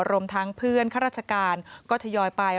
รวมทั้งเพื่อนข้าราชการก็ทยอยไป